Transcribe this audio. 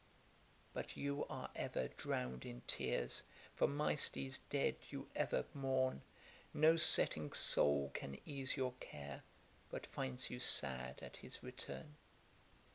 But you are ever drown'd in tears, For Mystes dead you ever mourn; No setting Sol can ease your care, But finds you sad at his return.